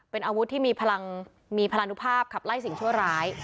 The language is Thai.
เป็นอาวุธที่มีพลังมีพลานุภาพขับไล่สิ่งชั่วร้าย